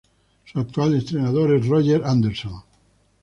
Su actual entrenador es Roger Anderson.